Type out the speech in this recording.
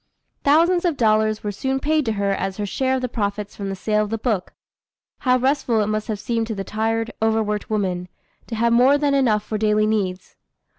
Thousands of dollars were soon paid to her as her share of the profits from the sale of the book. How restful it must have seemed to the tired, over worked woman, to have more than enough for daily needs!